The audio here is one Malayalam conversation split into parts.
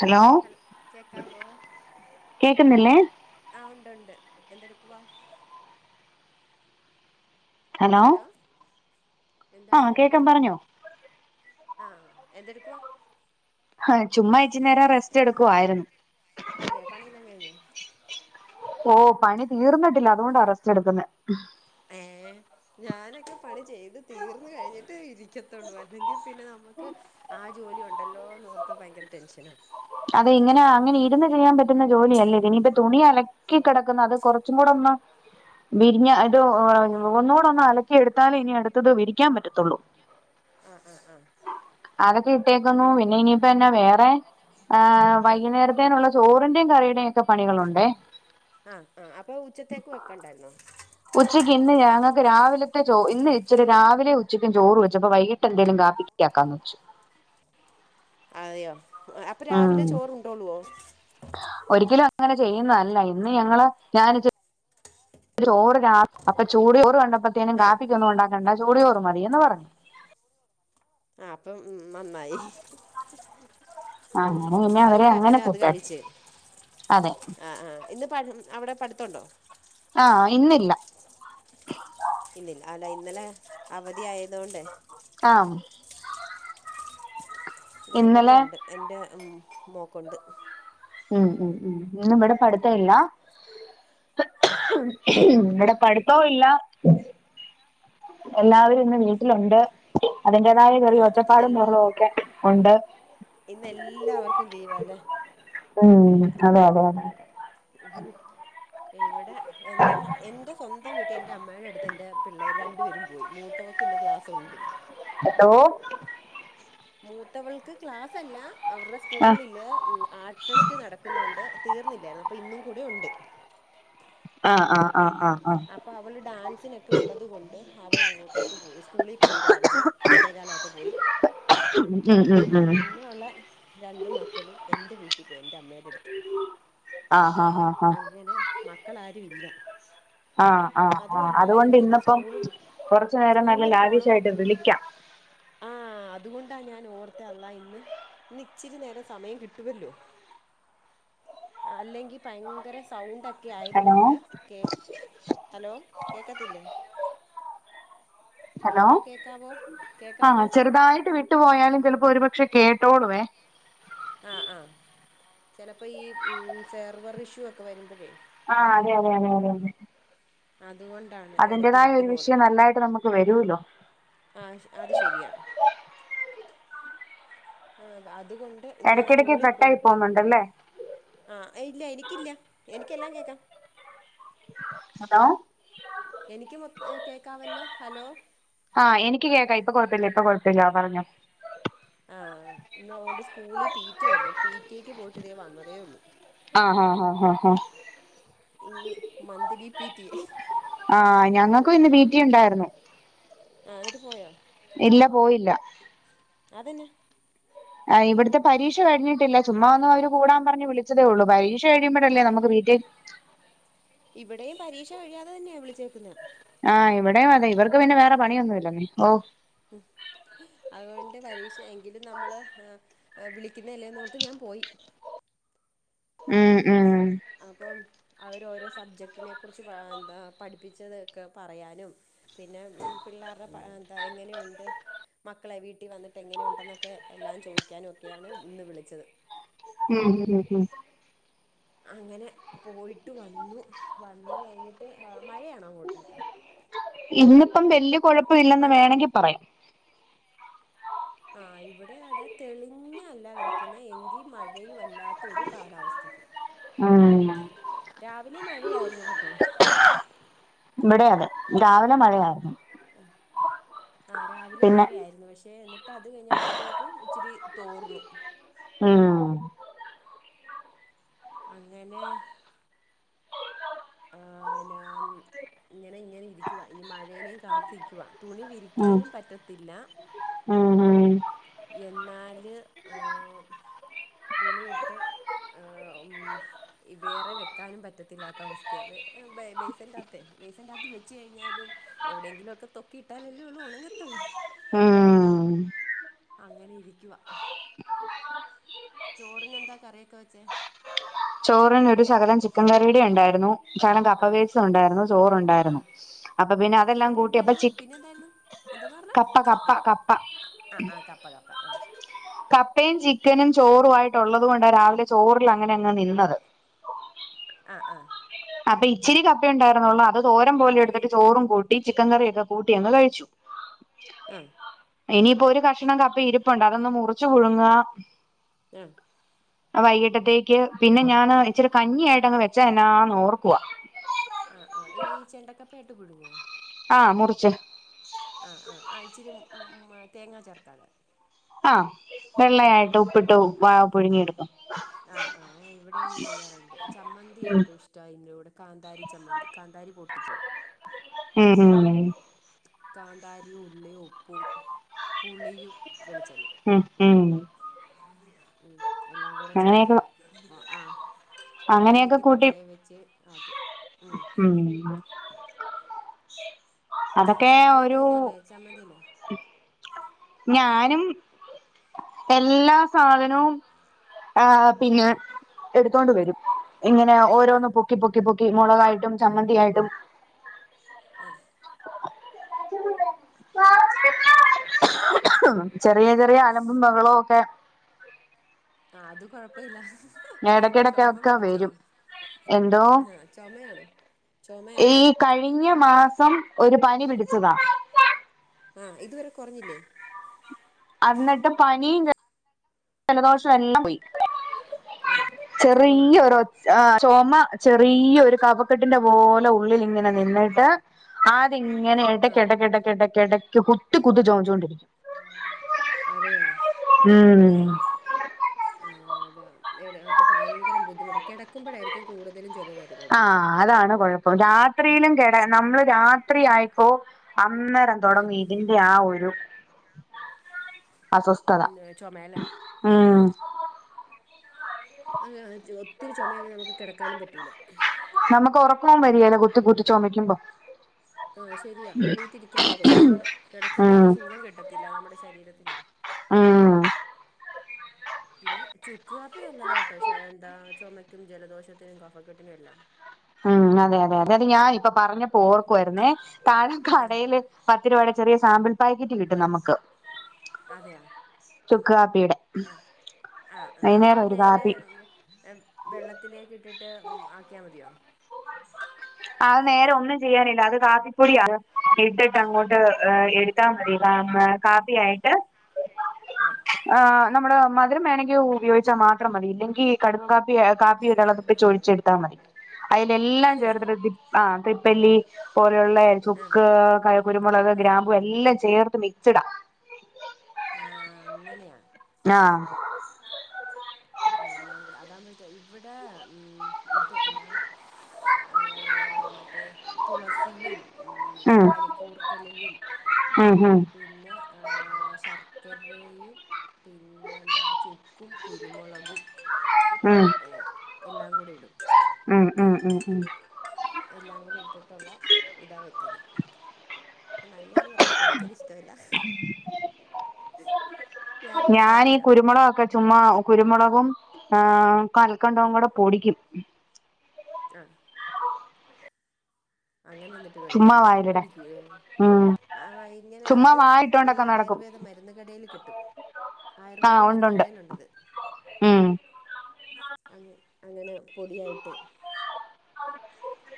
ഹലോ കേക്കുന്നില്ലേ? ആ ഉണ്ട് ഉണ്ട്. എന്തെടുക്കുവാ? ഹലോ, എന്താ ആഹ് എന്നാ കേക്കാം പറഞ്ഞോ എടുക്കുവാ? ആ എന്തെടുക്കുവ? ആഹ് ചുമ്മാ ഇച്ചിരി നേരം റെസ്റ്റ് എടുക്കുവായിരുന്നു. അതെ പണിയെല്ലാം കഴിഞ്ഞോ ഓ പണി തീർന്നിട്ടില്ല. അതുകൊണ്ടാ റെസ്റ്റ് എടുക്കുന്നെ. ഏ ഞാനൊക്കെ പണി ചെയ്ത് തീർന്ന് കഴിഞ്ഞിട്ട് ഇരിക്കത്തുള്ളൂ. അല്ലെങ്കിൽ പിന്നെ നമുക്ക് ആ ജോലി ഉണ്ടല്ലോ എന്ന് ഓർത്ത് ഭയങ്കര ടെൻഷനും. അതെ ഇങ്ങനെ അങ്ങനെ ഇരുന്ന് ചെയ്യാൻ പറ്റുന്ന ജോലിയല്ല. ഇനിയിപ്പ തുണി അല- ക്കി കിടക്കുന്നു. അത് കുറച്ചും കൂടെ ഒന്ന്, വിരിഞ്ഞ ഇത് ഒന്നുടെ ഒന്ന് അലക്കി എടുത്താലേ, ഇനി അടുത്തത് വിരിക്കാൻ പറ്റത്തുള്ളൂ. ആഹ് ആ ആ. അതൊക്കെ ഇട്ടേയ്ക്കുന്നു. പിന്നെ ഇനിയിപ്പന്നാ വേറെ, ആഹ് വൈകുന്നേരത്തേനുള്ള ചോറിന്റെയും, കറിയുടെയും ഒക്കെ പണികളുണ്ടേ. ആഹ് ആ അപ്പൊ ഉച്ചത്തേക്ക് വെക്കണ്ടായിരുന്നോ? ഉച്ചയ്ക്ക് ഇന്ന് ഞങ്ങൾക്ക് രാവിലത്തെ ചോ ഇന്ന് ഇച്ചിരി രാവിലെ ഉച്ചക്കും ചോറ് വെച്ച്. അപ്പ വൈകിട്ട് എന്തേങ്കലും കാപ്പിക്ക്, ണ്ടാക്കാന്ന് വച്ചു. അതെയോ.? അപ്പൊ രാവിലെ ഉം ചോറുണ്ടോളുവോ ഒരിക്കലും അങ്ങനെ ചെയ്യുന്നതല്ല. ഇന്ന് ഞങ്ങള് ഞാൻ ഇച്ചി- ചോറ് രാ അപ്പം ചൂട്ചോറ് കണ്ടപ്പോഴത്തേനും, ആഹ് കാപ്പിക്കൊന്നും ഉണ്ടാക്കണ്ട, ചൂട് ചോറ് മതിയന്ന് പറഞ്ഞു. ആ അപ്പം ഉം നന്നായി. അങ്ങനെ പിന്നെ അവരെ അതുകൊണ്ട് അങ്ങനെ അത് സെറ്റാക്കി കഴിച്ചു. അതെ ആ ആ. ഇന്ന് പ മ് അവിടെ പഠിത്തണ്ടോ? ആഹ് ഇന്നില്ല. ഇന്നില്ല. അല്ല ഇന്നലെ അവധിയായതു കൊണ്ടെ, ആഹ്. ഇന്ന് ഇവിടെ ഇന്നലെ ഉണ്ട്, എന്റെ മോക്കുണ്ട്. ഉം ഉം ഉം ഇന്നു ഇവിടെ പഠിത്തമില്ല. ആ ഇവിടെ പഠിത്തോം ഇല്ല. എല്ലാവരും ഇന്ന് വീട്ടിലുണ്ട്. അതിന്റേതായ ആ ചെറിയ ഒച്ചപ്പാടും ബഹളവും ഒക്കെ ഉണ്ട്. ഇന്ന് എല്ലാവർക്കും ലീവാല്ലേ. ഉം അതെ അതെ അതെ. ഇവിടെ എന്റെ എന്റെ സ്വന്തം വീട്ടിൽ എന്റെ അമ്മയുടെ അടു ത്ത്ണ്ട്. ‌ പിള്ളേര് രണ്ടുപേരും പോയി. മൂത്തവക്ക് ഇന്ന് ക്ലാസ്സ് ഉണ്ട്. ഹലോ മൂത്തവൾക്ക് ക്ലാസ്സല്ല. അവര്ടെ ആഹ് സ്കൂളില് ആർട്ട് ഫെസ്റ്റ് നടക്കുന്നുണ്ട്. തീർന്നില്ലായിരുന്നു. അപ്പോ ഇന്നും കൂടെയുണ്ട്. ആഹ് ആഹ് ആഹ്. ആഹ് ആഹ് [unintelligible] അപ്പോ അവള് ഡാൻസിനൊക്കെ ഉള്ളത്കൊണ്ട്, അവളങ്ങോട്ടേക്ക് പോയി. സ്കൂളി പോയി രാവിലെ എട്ടേകാലയപ്പോ പോയി. ഉം ഉം ഉം പിന്നെ ഉള്ള, രണ്ട് മക്കളും എൻ്റെ വീട്ടിപോയി എൻ്റെ അമ്മേടെടുത്ത്. ആഹ് ഹാ ഹാ അങ്ങനെ മക്കളാരും ഇല്ല. ആഹ് ആഹ ആഹ്. അതുമല്ല അതുകൊണ്ട് എനിക്കൊന്ന് ഇന്നിപ്പം സ്കൂള് കൊറച്ചു നേരം സ്കൂൾ നല്ല ലാവിഷായിട്ട് വിളിക്കാം. ആഹ് അതുകൊണ്ടാ ഞാൻ ഓർത്തേ. അള്ളാഹ് ഇന്ന്, ഇന്നിച്ചിരി നേരം സമയം കിട്ടുവല്ലോ? അല്ലെങ്കി ഭയങ്കര സൗണ്ടൊക്കെ ഹലോ ആയത്കൊണ്ട് കേക് ഹലോ കേക്കത്തില്ലേ? ഹലോ? ആഹ് ചെറുതായിട്ട് വിട്ടുപോയാലും ചിലപ്പോ ഒരുപക്ഷെ കേട്ടോളുവേ. ആഹ് ആഹ്. ചെലപ്പോ ഈ ഉം സെർവർ ഇഷ്യൂ ഒക്കെ വരുമ്പഴേ ആഹ് അതെ അതെ അതെ അതെ അതേ. അതുകൊൺ അതിന്റെതായ ഒരു വിഷയം നന്നായിട്ട് നമുക്ക് വരൂലോ. ആഹ് അത് ശരിയാ. ഈഹ് അതുകൊണ്ട് ഇന്ന് ഞാൻ ഇടയ്ക്കിടയ്ക്ക് സ്കൂളി കട്ടായി പോയിട്ട്. പോകുന്നുണ്ടല്ലേ ആഹ് ഇല്ല എനിക്കില്ല. എനിക്കെല്ലാം കേക്കാം. ഹലോ എനിക്ക് മൊത് ഏഹ് കേക്കാവല്ലോ. ഹലോ? ആഹ് എനിക്ക് കേക്കാം. ഇപ്പൊ കൊഴപ്പില്ല ഇപ്പൊ കൊഴപ്പില്ല. ആഹ് പറഞ്ഞോ. ആഹ് ഇന്നതുകൊണ്ട് സ്കൂളി പി ടി എ ആയിരുന്നു. പി ടി എ ക്ക് പോയിട്ട് ദേ വന്നതേയൊള്ളൂ. ആഹ് ആഹ് ആഹ് ആഹ് ഈ മന്തിലി പി ടി എ. ആഹ് ഞങ്ങക്കു ഇന്ന് പി ടി എ ഉണ്ടായിരുന്നു. ആഹ് എന്നിട്ട് പോയോ? ഇല്ല പോയില്ല. അതെന്നാ? ആഹ് ഇവിട്ത്തെ പരീക്ഷ കഴിഞ്ഞിട്ടില്ല. ചുമ്മാ ഒന്നവര് കൂടാൻ പറഞ്ഞ് വിളിച്ചതേയൊള്ളൂ. പരീശ് ക്ഷ കഴിയുമ്പഴല്ലേ ആഹ് നമുക്ക് പി ടി എ ഇവിടെയും പരീക്ഷ കഴിയാതെ തന്നെയാ വിളിച്ചേക്കുന്നേ. ആഹ് ഇവിടെയും അതെ. ഇവർക്ക് പിന്നെ വേറെ പണിയൊന്നും ഇല്ലന്നേ. ഓഹ് ഉം. അതുകൊണ്ട് പരീക്ഷ എങ്കിലും നമ്മള് ഏഹ് ഏഹ് വിളിക്കുന്നല്ലേന്നോർത്ത് ഞാൻ പോയി. ഉം ഉം. അപ്പം അവരോരോ സബ്ജക്റ്റിനെ കുറിച്ച് വാ എന്താ പഠിപ്പിച്ചതൊക്കെ പറയാനും പിന്നെ പിള്ളേര്ടെ പാ എന്താ എങ്ങനെയുണ്ട് മക്കളെ വീട്ടിവന്നിട്ട് എങ്ങനെയുണ്ടെന്നൊക്കെ എല്ലാം ചോദിക്കാനൊക്കെയാണ് ഇന്ന് വിളിച്ചത്. ഉം ഉം ഉം. അങ്ങനെ പോയിട്ട് വന്നു. വന്ന് കഴിഞ്ഞിട്ട് ആഹ് മഴയാണോ അങ്ങോട്ടൊക്കെ? [inaudible] ഇന്നിപ്പം വല്ല്യ കൊഴപ്പില്ലെന്ന് മഴ വേണങ്കി പറയാം. ആഹ് ഇവിടേം അതെ തെളിഞ്ഞല്ല കെടക്കുന്നേ. എങ്കി മഴയുവല്ലാത്തൊരു കാലാവസ്ഥയും. കെ ആഹ് രാവിലെ മഴയായിരുന്നു കെട്ടോ. ഇവിടെയു അതെ. രാവിലെ മഴയായിരുന്നു. അഹ്. ആഹ് രാവിലെ പിന്നെ മഴയായിരുന്നു. പക്ഷെ എന്നിട് ട്ടത് കഴിഞ്ഞപ്പഴത്തേക്കും ഇച്ചിരി തോർന്നു. ഉം അങ്ങനെ ഈഹ് നാം ഇങ്ങനെ ഇങ്ങനെ ഇരിക്കുവാ. ഇനി മഴേനെയും കാത്തിരിക്കുവാ. തുണി വിരിക്കാനും പറ്റത്തില്ല. ഊഹും എന്നാല് ഈഹ് തുണിയിട്ട് ഈഹ് ഉം വേറെ വെക്കാനും പറ്റത്തില്ലാത്ത അവസ്ഥയാ, ബേസന്റാത്തെ. ബേസന്റാത്ത് വെച്ച് കഴിഞ്ഞാലും എവിടെയെങ്കിലും ഒക്കെ തൊക്കിയിട്ടാലല്ലേ ഉള്ളൂ ഒണങ്ങത്തുള്ളൂ. ഉം അങ്ങനെ ഇരിക്കുവാ. ചോറിന് എന്താ കറിയൊക്കെ വെച്ചേ? ചോറിന് ഒരു ശകലം ചിക്കൻ കറീടെ ഉണ്ടായിരുന്നു, ശകലം ആഹ് കപ്പവേവിച്ചത് ഉണ്ടായിരുന്നു, ചോറുണ്ടായിരുന്നു അപ്പൊ പിന്നെ ചിക്കൻ അതെല്ലാം കറി കൂട്ടി അപ്പൊ ഉണ്ടായിരുന്നു ചിക്ക പിന്നെ എന്തായിരുന്നു എന്തോന്നാ പറഞ്ഞെ കപ്പ കപ്പ കപ്പ. ആഹ് ആഹ് കപ്പ കപ്പ ആഹ്. കപ്പയും ചിക്കനും ചോറു ആയിട്ടുള്ളതുകൊണ്ടാ രാവിലെ ചോറിലങ്ങനെ അങ്ങ് നിന്നത്. ആഹ് ആഹ്. അപ്പൊ ഇച്ചിരി കപ്പയുണ്ടായിരുന്നുള്ളൂ അത് തോരം പോലെ എടു ചോറും കൂട്ടി ചിക്കൻ കറിയൊക്കെ കൂട്ടി അങ്ങ് കഴിച്ചു. ആഹ്. ഇനിയിപ്പൊ ഒരു കഷണം കപ്പ ഇരിപ്പുണ്ട് അതൊന്നും മുറിച്ചു പുഴുങ്ങാ. ആഹ് വൈകിട്ടത്തേക്ക് പിന്നെ ഞാന് ഇച്ചിരി കഞ്ഞിയായിട്ടങ്ങ് വെച്ചാ എന്നാന്ന് ഓർക്കുവാ. ആഹ് ആഹ് ഈ ചെണ്ടക്കപ്പയായിട്ട് പുഴുങ്ങുവോ? ആഹ് മുറിച്ച്. ആഹ് ആഹ് ഇച്ചിരി ഉം മ് തേങ്ങാ ചേർക്കാതെ. ആഹ് വെള്ളയായിട്ട് ആഹ് ഉപ്പിട്ട് വാ ആഹ് പുഴുങ്ങിയെടുക്കും. ആഹ് ആഹ് ഞാൻ ഇവിടെയും ചെയ്യാറുണ്ട് ചമ്മന്തി ഉം ഏറ്റവും ഇഷ് റ്റയിന്റെ കാന്താരി ചമ്മന്തി കാന്താരി പൊട്ടിച്ചത്. ഉം ഉം കാന്താരിയും, ഉള്ളിയും, ഉപ്പും, പുളിയും, വെളിച്ചെണ്ണയും. ഉം ഉം ഉം എല്ലാം കൂടെ അങ്ങനെയൊക്കെ ചേർത്ത് ഒ ആഹ്. അങ്ങനെയൊക്കെ ഒന്നല്ലെങ്കി കൂട്ടി തട്ടേ വെച്ച് ആക്കും ഉം. അതൊക്കെ അവിടെ ഇത് ഒരു തന്നെയല്ലേ ചമ്മന്തിയല്ലേ ഞാനും എല്ലാ ആഹ് സാധനവും ഏഹ് പിന്നെ ആഹ് എടുത്തോണ്ട് വരും ഇങ്ങനെ ഓരോന്ന് ആഹ് പൊ ക്കി പൊക്കി പൊക്കി മുളകായിട്ടും ചമ്മന്തിയായിട്ടും ആഹ്. [inaudible] [unintelligible] ചെറിയ ചെറിയ ആലമ്പും ബഹളോം ഒക്കെ ആഹ് അത് കൊഴപ്പം ഇല്ല. ഇടക്കിടക്കൊക്കെ വരും. എന്തോ ആഹ് ചൊമയാണോ ഈ ചൊമയാണോ കഴിഞ്ഞ മാസം ഒരു പനി പിടിച്ചതാ. ആഹ് ഇതുവരെ കുറഞ്ഞില്ലേ? അന്നിട്ട് പനീം ജലദോഷം എല്ലാം പോയി ആഹ് ചൊമ മാറിയില്ല ചെറിയൊരൊ ആഹ് ചുമ ചെറിയൊരു കഫക്കെട്ടിന്റെ പോലെ ഉള്ളിലിങ്ങനെ നിന്നിട്ട് അതിങ്ങനെ ആഹ് ഇടക്കെടക്കെടക്കെടക്കെടക്ക് കുത്തി കുത്തി ചുമച്ചോണ്ടിരിക്കും. അതെയോ? ഉം. ആഹ് അതാ അപ്പൊ ഭയങ്കര ബുദ്ധിമുട്ട് കിടക്കുമ്പോഴായിരിക്കും കൂടുതലും ചുമ വര് ആഹ് അതാണ് കുഴപ്പം രാത്രിയിലും കെട നമ്മള് രാത്രി ആയിപ്പോ അന്നേര ആഹ് തുടങ്ങും ഇതിന്റെ ആ ഒരു അസ്വസ്ഥത ചൊമയല്ലേ ആഹ് ഉം. അങ്ങനാണ് ച് ഒത്തിരി ചുമയാമ്പോ നമുക്ക് കിടക്കാനും പറ്റൂല. നമുക്ക് ഉറക്കവും വര്യേല കുത്തി കുത്തി ചുമയ്ക്കുമ്പോ. ആഹ് ശരിയാ എണീറ്റിരിക്കാനാ തോന്നാ പിന്നെ കിടക്കുമ്പോ ഉം ഒരു സുഖം കിട്ടത്തില്ല നമ്മുടെ ശരീരത്തിന്. ഉം [inaudible] പിന്നെ ചുക്ക് കാപ്പി നല്ലതാട്ടോ ഷേ എന്താ ചുമയ്ക്കും ജലദോഷത്തിനും കഫക്കെട്ടിനും എല്ലാം [inaudible] ഉം അതെ അതെ അതെ അതെ ഞാനിപ്പ പറഞ്ഞപ്പോ ഓർക്കുവായിരുന്നേ താഴെ ആഹ് കടേല് പത്ത് രൂപേട ചെറിയ സാമ്പിൾ പാക്കറ്റ് കിട്ടും നമുക്ക് അതെയാ ചുക്ക് കാപ്പിയുടെ ആഹ് ആഹ് വൈന്നേരം അത് ഒരു നേരെ കാപ്പി വെള്ളത്തിലേക്കിട്ടിട്ട് ആക്കിയാൽ മതിയോ? അത് നേരെ ഒന്നും ചെയ്യാനില്ല അത് കാപ്പിപ്പൊടിയ ഇട്ടിട്ട് അങ്ങോട്ട് ആഹ് എടു ത്താ മതി കാപ്പി ആയിട്ട് ആഹ് ആഹ് നമ്മുടെ മധുരം വേണെങ്കി ഉപയോഗിച്ചാ മാത്രം മതി ഇല്ലെങ്കി കടും കാപ്പി കാപ്പി ഇടള്ളതൊക്കെ ചോയിച്ചെടു ത്താ മതി അയിലെല്ലാം അതെയാ ചേർത്തിട്ട് ആഹ് തിപ്പല്ലി പോലെയുള്ള ആഹ് ചുക്ക് ക കുരുമുളക് ആഹ് ഗ്രാമ്പു എല്ലാം ചേർത്ത് മിക്സ്ടാ ആഹ് അങ്ങനെയാ ആഹ് ആഹ് ആഹ് എല്ലാം കൂടെ അതാവുമ്പഴ്ത്തെ ഇവിടെ ഉം ഇത് നാ ഈഹ് മറ്റേ തുളസ് യും ഉം പനിക്കൂർക്കെലയും ഉം ഉം ഉം പിന്നെ ആഹ് ശർക്കരയും പിന്നെ എന്താ ചുക്കും കുരു രുമുളകും ഉം എ എല്ലാംകൂടെ ഇടും ഉം ഉം ഉം ഉം എല്ലാം കൂടി ഇട്ടിട്ടുള്ള ഇതാ വെക്കുന്നെ നല്ലെയാന്ന് പറയും എനിക്കത് ഇഷ്ടവല്ല ഞാൻ ഈ കുരുമുളകൊക്കെ ചുമ്മാ കുരുമുളകും ഈഹ് കൽക്കണ്ടവും ആഹ് കൂടെ പൊടിക്കും ആഹ് അങ്ങനെ എന്നിട്ട് ചുമ്മാ കഴിക്കൂല്ലെ വായിലിടാൻ കുടിക്കൂല്ലെ ഉം ആഹ് വയ് ഇങ്ങനെ ചുമ്മാ അത് ഈ വായിട്ടോണ്ടൊക്കെ നടക്കും ആയുർവേദ മരുന്ന് കടേൽ കിട്ടും ആയുർവേദ ആഹ് ഉണ്ട് മരുന്ന് ഉണ്ട് കടെലുണ്ടത് ഉം അങ് അങ്ങനെ പൊടിയായിട്ട്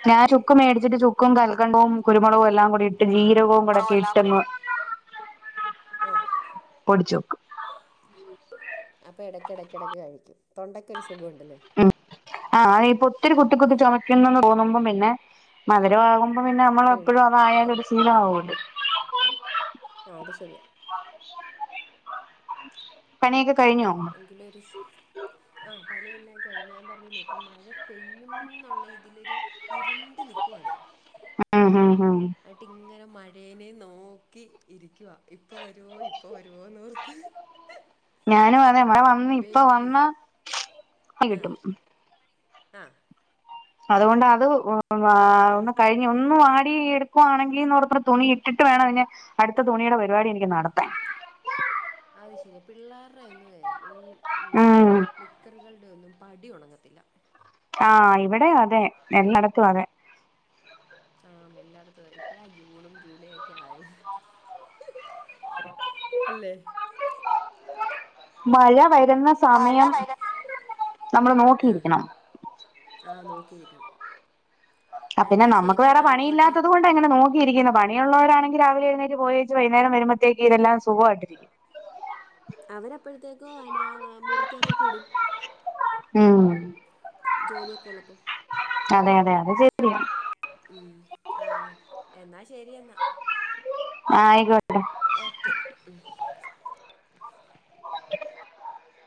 ഞാൻ ചുക്ക് മേടിച്ചിട്ട് ചുക്കും കൾക്കണ്ടാവും കുരുമുളകും എല്ലാം കൂടിയിട്ട് ജീരകോം കൂടെ ഒക്കെ ഇട്ടങ് ഈഹ് പൊടിച്ച് വെക്കും അപ്പോ ഇടയ്ക്ക് ഇടയ്ക്ക് ഇടയ്ക്ക് കഴിക്കും തൊണ്ടയ്ക്കൊരു സുഖം ഉണ്ടല്ലേ ഉം ആഹ് അ ഇപ്പൊ ഒത്തിരി കുത്തി കുത്തി ചുമക്കുന്നുന്ന് തോന്നുമ്പോം പിന്നെ മധുരാകും പിന്നെ ഉം നമ്മളെപ്പോഴും അതായാൽ ഒരു ശീലമാവുല്ലോ ആഹ് അത് ശരിയാ [inaudible] പണിക്കെ കഴിഞ്ഞോ ഉം എങ്കിലും ഒരു ആഹ് പണിയെല്ലാം കഴിഞ്ഞ് ഞാൻ പറഞ്ഞില്ലേ ഇപ്പം മഴ പെയ്യുംന്നോള്ള ഇതിലൊരു ഇരുണ്ട് നിക്കുവാണ് ഉം ഉം ഉം ആയിട്ട് ഇങ്ങനെ മഴേനെ നോക്കി ഇരിക്കുവാ ഇപ്പൊ വരുവോ ഇപ്പൊ വരുവോന്ന് ഓർത്ത് ഞാനും അതെ. ഇവിടെ വന്ന് ഇപ്പ വെയിറ്റ് വന്ന ചെയ്ത് ടികിട്ടും. ആഹ് അതുകൊണ്ട് അത് ഒന്ന് കഴിഞ്ഞ് ഒന്നു വാടി എടുക്കുവാണെങ്കിൽ ഒന്ന് തുണി ഇട്ടിട്ട് വേണം അതിനേ അടുത്ത തുണിയുടെ പരിപാടി എനിക്ക് നടത്താൻ അത് ശരിയാ പിള്ളേര്റാ ഒന്നുവേ ഈ ഉം നിക്കറുകൾ ഒന്നും പടി ഉണങ്ങത്തില്ല ആ ഇവിടെ അതെ എല്ലായിടത്തും അതെ ആ എല്ലായിടത്തുമായി ഇപ്പോഴാ ജൂണും ജൂലൈ ഒക്കെ ആയത് അല്ലേ മഴ വരുന്ന സമയം നമ്മൾ ആ നോക്കിയിരിക്കണം. ആ നോക്കിയിരിക്കണം അതിന് എന്നാ നമുക്ക് ശരി വേറെ എന്നാ ആയിക്കോട്ടെ പണിയില്ലാത്തത് കൊണ്ട് ഇപ്പ ഇങ്ങനെ നോക്കിരിക്കുന്നത് പണിയുള്ളവരാണെങ്കിൽ രാവിലെ എഴുന്നേറ്റ് പോയ വൈകുന്നേരം വരുമ്പോയൊക്കെ ഇതെല്ലാം സുഖമായിട്ടിരിക്കും. അവരെപ്പോഴത്തേക്കും അന മുറിക്കാത്തൊക്കെ ഇടും. ഉം ജോലിയൊക്കെ ഉള്ളപ്പം അതെ അതെ അതെ ശരിയാ ഉം ആ എന്നാ ശരി എന്നാ ആയിക്കോട്ടെ ഓക്കെ ഉം [inaudible]